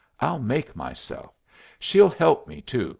I'll make myself. She'll help me to."